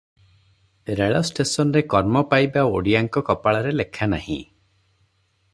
ରେଳଷ୍ଟେସନରେ କର୍ମ ପାଇବା ଓଡ଼ିଆଙ୍କ କପାଳରେ ଲେଖା ନାହିଁ ।